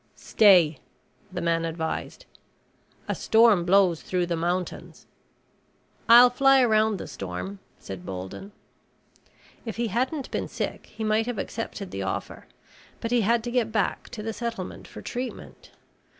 "Stay," the man advised. "A storm blows through the mountains." "I will fly around the storm," said Bolden. If he hadn't been sick he might have accepted the offer. But he had to get back to the settlement for treatment.